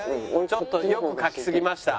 ちょっと良く描きすぎました。